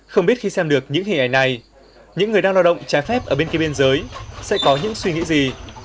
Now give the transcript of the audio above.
không biết khi xem được những hình ảnh này những người đang lo động trái phép ở bên kia biên giới sẽ có những suy nghĩ gì